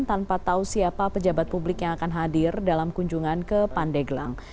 tanpa tahu siapa pejabat publik yang akan hadir dalam kunjungan ke pandeglang